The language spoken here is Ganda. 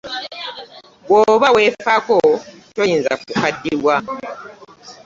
Bw'oba weefaako toyinza kukaddiwa.